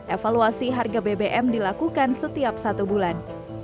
evaluasi harga bbm dilakukan setiap satu bulan